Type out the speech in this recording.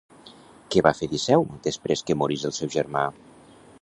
Què va fer Diceu després que morís el seu germà?